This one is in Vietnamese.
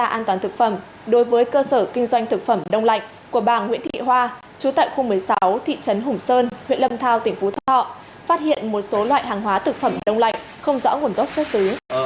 phát hiện một số loại hàng hóa thực phẩm đông lạnh không rõ nguồn gốc chất xứ